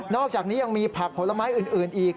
อกจากนี้ยังมีผักผลไม้อื่นอีก